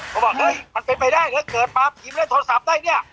ก็บอกมันเป็นไปได้ยังไงเหวิดเกิดมาผิมด้วยโทรศัพท์ได้เนี่ย